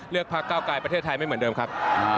พักเก้าไกลประเทศไทยไม่เหมือนเดิมครับ